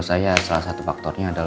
oke satu lagi ke depannya